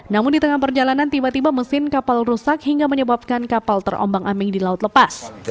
namun di tengah perjalanan tiba tiba mesin kapal rusak hingga menyebabkan kapal terombang ambing di laut lepas